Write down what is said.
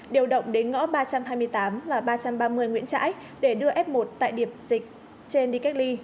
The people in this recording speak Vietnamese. điều động đến ngõ ba trăm hai mươi tám và ba trăm ba mươi nguyễn trãi để đưa f một tại điểm dịch trên đi cách ly